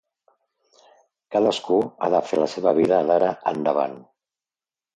Cadascú ha de fer la seva vida d'ara endavant.